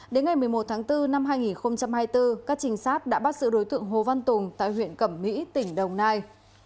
đến ngày một mươi một tháng bốn năm hai nghìn hai mươi bốn các trinh sát đã bắt sự đối tượng hồ văn tùng tại huyện cẩm mỹ tỉnh đồng nai